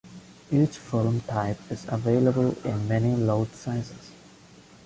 Each film type is available in many load sizes.